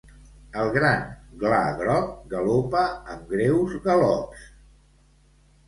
El gran gla groc galopa amb greus galops.